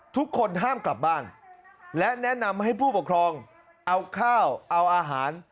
ทุกคนห้ามกลับบ้านและแนะนำให้ผู้ปกครองเอาข้าวเอาอาหาร